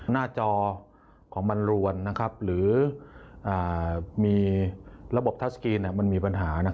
หน้าจอของมันรวนหรือมีระบบทัศกรีนมันมีปัญหา